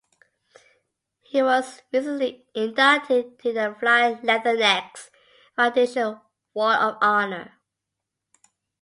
He was recently inducted to the Flying Leathernecks Foundation Wall of Honor.